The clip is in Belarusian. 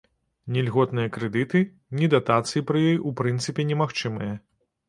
Ні льготныя крэдыты, ні датацыі пры ёй у прынцыпе немагчымыя.